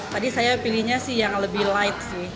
tadi saya pilihnya sih yang lebih light sih